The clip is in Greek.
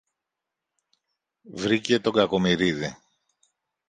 Βρήκε τον Κακομοιρίδη